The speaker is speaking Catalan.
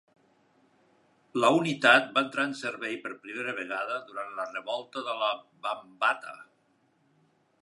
La unitat va entrar en servei per primera vegada durant la Revolta de Bambatha.